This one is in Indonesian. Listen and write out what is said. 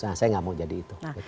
saya tidak mau jadi itu